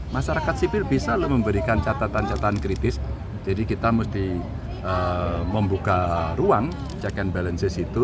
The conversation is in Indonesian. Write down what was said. masyarakat sipil bisa loh memberikan catatan catatan kritis jadi kita mesti membuka ruang check and balances itu